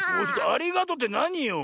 ありがとうってなによ？